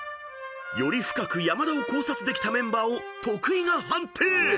［より深く山田を考察できたメンバーを徳井が判定］